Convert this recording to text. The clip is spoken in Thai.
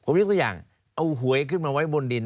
ยกตัวอย่างเอาหวยขึ้นมาไว้บนดิน